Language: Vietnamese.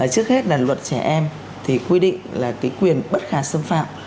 trước hết là luật trẻ em thì quy định là cái quyền bất khả xâm phạm